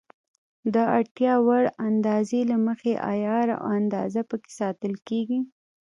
د اړتیا وړ اندازې له مخې عیار او اندازه پکې ساتل کېږي.